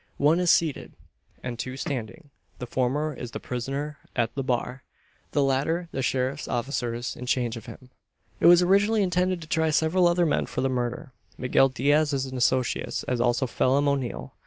One is seated, and two standing. The former is the prisoner at the bar; the latter the sheriff's officers in charge of him. It was originally intended to try several other men for the murder; Miguel Diaz and his associates, as also Phelim O'Neal.